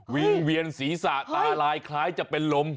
วิงเวียนศีรษะตาลายคล้ายจะเป็นลม